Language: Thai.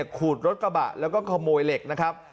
ขูดรถกระบะแล้วก็ขโมยเหล็กนะครับ